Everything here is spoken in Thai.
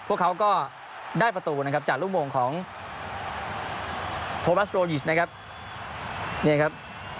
พวกเขาก็ได้ประตูนะครับจากลูกโมงของโคมัสโรยิชนะครับเนี่ยครับ